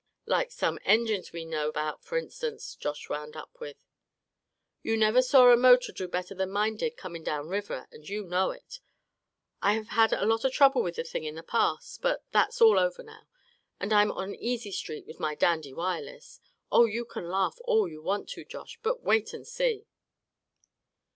"Like some engines we know about, f'r instance," Josh wound up with. "You never saw a motor do better than mine did coming down river, and you know it. I have had a lot of trouble with the thing in the past; but that's all over now; and I'm on Easy Street with my dandy Wireless. Oh! you can laugh all you want to, Josh, but wait and see."